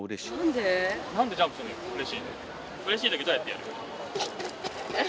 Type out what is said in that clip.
うれしい時どうやってやる？